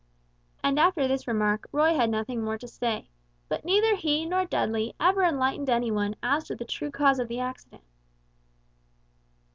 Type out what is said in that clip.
And after this remark Roy had nothing more to say; but neither he nor Dudley ever enlightened any one as to the true cause of the accident.